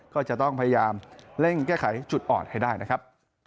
ก็จะต้องพยายามเร่งแก้ไขจุดอ่อนให้ได้นะครับ